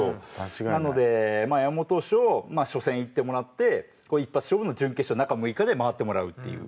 なので山本投手を初戦いってもらって一発勝負の準々決勝中６日で回ってもらうっていう。